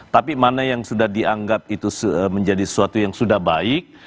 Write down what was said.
tapi mana yang sudah dianggap itu menjadi sesuatu yang sudah baik